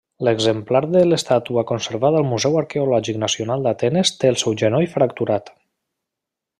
L'exemplar de l'estàtua conservat al Museu Arqueològic Nacional d'Atenes té el seu genoll fracturat.